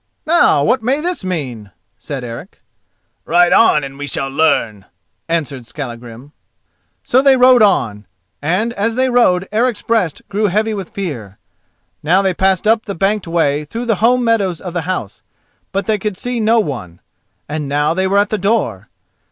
"Now what may this mean?" said Eric. "Ride on and we shall learn," answered Skallagrim. So they rode on, and as they rode Eric's breast grew heavy with fear. Now they passed up the banked way through the home meadows of the house, but they could see no one; and now they were at the door.